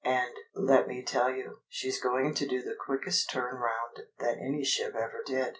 ... And, let me tell you, she's going to do the quickest turn round that any ship ever did.